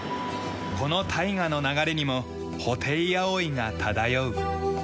この大河の流れにもホテイアオイが漂う。